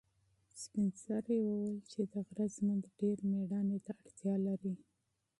سپین سرې وویل چې د غره ژوند ډېر مېړانې ته اړتیا لري.